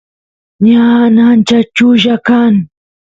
ñan ancha chulla kan